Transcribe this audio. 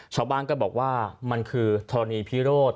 ชาวบ้านก็บอกว่ามันคือธรณีพิโรธ